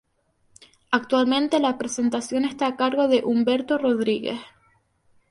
Actualmente, la presentación está a cargo de Humberto Rodríguez.